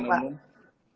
kemudian keputusan umum